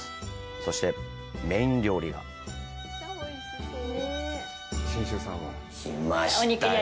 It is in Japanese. そして、メイン料理が！来ましたよ。